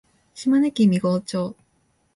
島根県美郷町